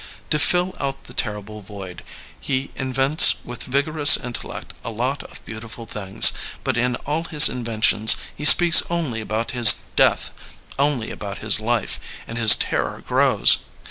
To fill out the terrible void, he in vents with vigorous intellect a lot of beautiful things, but in all his inventions he speaks only about his death, only about his life, and his terror grows.